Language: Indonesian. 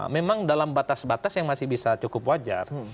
memang dalam batas batas yang masih bisa cukup wajar